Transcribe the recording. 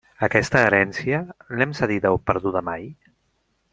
Aquesta herència, ¿l'hem cedida o perduda mai?